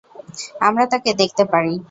আমরা তাকে দেখতে পারি।